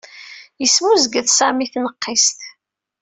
Yesmuzget Sami i tneqqist.